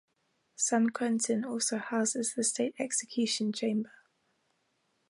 San Quentin also houses the state execution chamber.